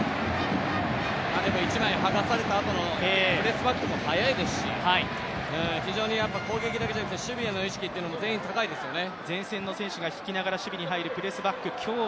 １枚はがされたあとのプレスバックも速いですし、非常に攻撃だけじゃなくて守備への意識というのも全員高いですね。